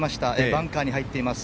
バンカーに入っています。